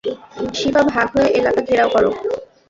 শিবা, ভাগ হয়ে এলাকা ঘেরাও কর।